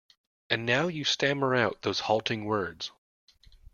And now you stammer out those halting words.